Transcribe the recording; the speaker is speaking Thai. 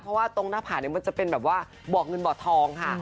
เพราะว่าตรงหน้าผาเนี่ยมันจะเป็นแบบว่าบ่อเงินบ่อทองค่ะ